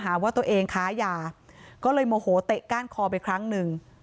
หาว่าตัวเองค้ายาก็เลยโมโหเตะก้านคอไปครั้งหนึ่ง